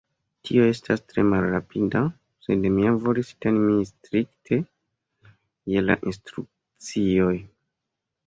Tio estas tre malrapida, sed mi ja volis teni min strikte je la instrukcioj.